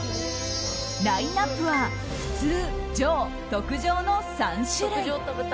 ラインアップは普通、上、特上の３種類。